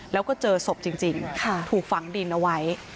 แล้วก็เจอศพจริงถูกฝังดินเอาไว้